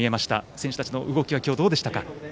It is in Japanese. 選手たちの動きはどうでしたか？